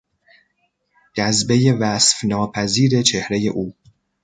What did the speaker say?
جذبهی وصف ناپذیر چهرهی او